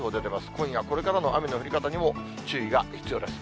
今夜これからの雨の降り方にも注意が必要です。